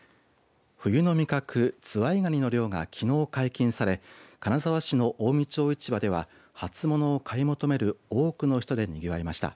冬の味覚、ズワイガニの漁がきのう解禁され金沢市の近江町市場では初物を買い求める多くの人でにぎわいました。